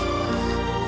itu bukanlah aku rai